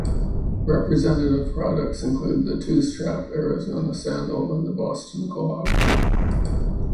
Representative products include the two-strap Arizona sandal and the Boston clog.